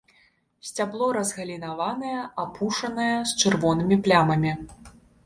Сцябло разгалінаванае, апушанае, з чырвонымі плямамі.